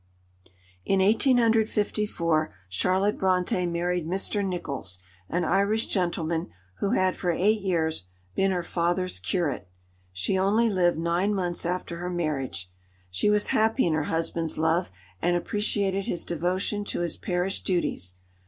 In 1854 Charlotte Brontë married Mr. Nicholls, an Irish gentleman, who had for eight years been her father's curate. She only lived nine months after her marriage. She was happy in her husband's love, and appreciated his devotion to his parish duties.